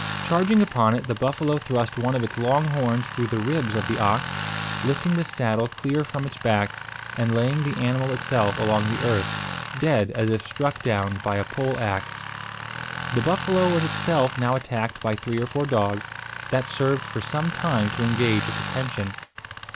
Charging upon it, the buffalo thrust one of its long horns through the ribs of the ox, lifting the saddle clear from its back, and laying the animal itself along the earth, dead as if struck down by a pole axe. The buffalo was itself now attacked by three or four dogs, that served for some time to engage its attention.